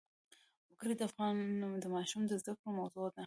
وګړي د افغان ماشومانو د زده کړې موضوع ده.